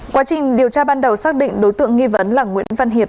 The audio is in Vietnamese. quá trình điều tra ban đầu xác định đối tượng nghi vấn là nguyễn văn hiệp